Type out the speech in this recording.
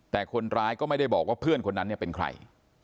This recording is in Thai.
แต่คนร้ายก็ไม่ได้บอกว่าเพื่อนคนนั้นเนี่ยเป็นใคร